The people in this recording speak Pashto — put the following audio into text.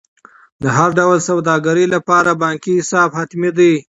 د هر ډول سوداګرۍ لپاره بانکي حساب حتمي دی.